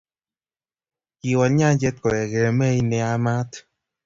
Kiwal nyanjet kowegei mei neyamat